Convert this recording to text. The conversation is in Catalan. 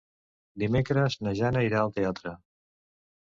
Dimecres na Jana irà al teatre.